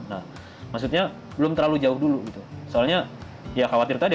nah maksudnya belum terlalu jauh dulu gitu